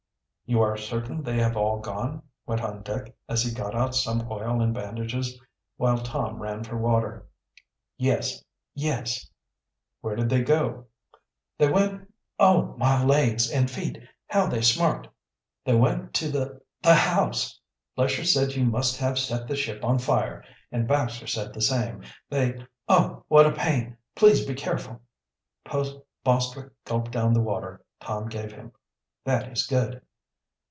"You are certain they have all gone?" went on Dick, as he got out some oil and bandages, while Tom ran for water. "Yes, yes!" "Where did they go?" "They went oh, my legs and feet! How they smart! They went to the the house! Lesher said you must have set the ship on fire, and Baxter said the same. They oh, what a pain! Please be careful!" Bostwick gulped down the water Tom gave him. "That is good."